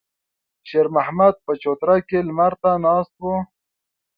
شېرمحمد په چوتره کې لمر ته ناست و.